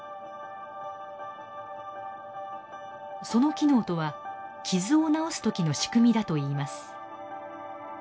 その機能とは傷を治す時の仕組みだといいます。